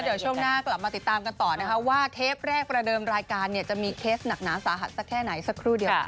เดี๋ยวช่วงหน้ากลับมาติดตามกันต่อนะคะว่าเทปแรกประเดิมรายการเนี่ยจะมีเคสหนักหนาสาหัสสักแค่ไหนสักครู่เดียวค่ะ